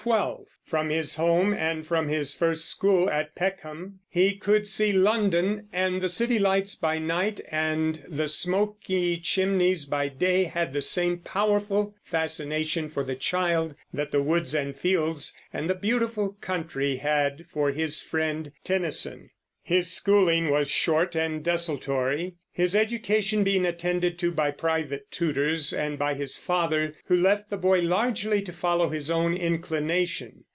From his home and from his first school, at Peckham, he could see London; and the city lights by night and the smoky chimneys by day had the same powerful fascination for the child that the woods and fields and the beautiful country had for his friend Tennyson. His schooling was short and desultory, his education being attended to by private tutors and by his father, who left the boy largely to follow his own inclination.